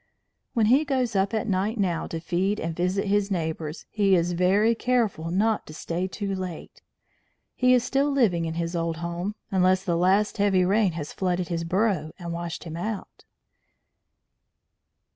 When he goes up at night now to feed and visit his neighbours, he is very careful not to stay too late. He is still living in his old home, unless the last heavy rain has flooded his burrow and washed him out.